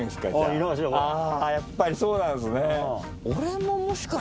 あやっぱりそうなんすね。